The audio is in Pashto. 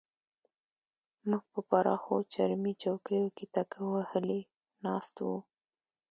موږ په پراخو چرمي چوکیو کې تکیه وهلې ناست وو.